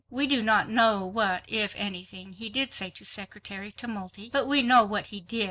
We do not know what, if anything, he did say to Secretary Tumulty, but we know what he did.